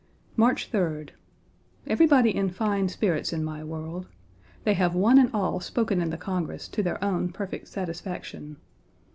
March 3d. Everybody in fine spirits in my world. They have one and all spoken in the Congress 1 to their own perfect satisfaction.